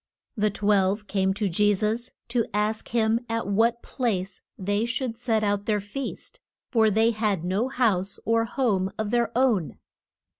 The twelve came to Je sus to ask him at what place they should set out their feast. For they had no house or home of their own.